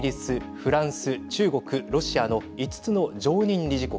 フランス、中国ロシアの５つの常任理事国。